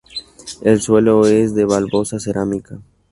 El suelo es de baldosa cerámica.